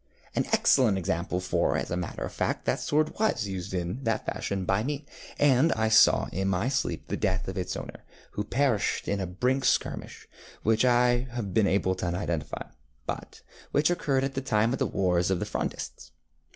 ŌĆØ ŌĆ£An excellent example, for, as a matter of fact, that sword was used in that fashion by me, and I saw in my sleep the death of its owner, who perished in a brisk skirmish, which I have been unable to identify, but which occurred at the time of the wars of the Frondists.